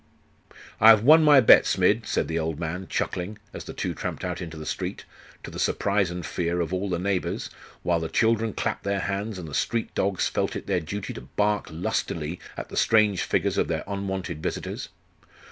'I have won my bet, Smid,' said the old man, chuckling, as the two tramped out into the street, to the surprise and fear of all the neighbours, while the children clapped their hands, and the street dogs felt it their duty to bark lustily at the strange figures of their unwonted visitors.